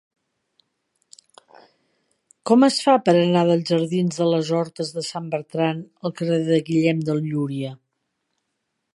Com es fa per anar dels jardins de les Hortes de Sant Bertran al carrer de Guillem de Llúria?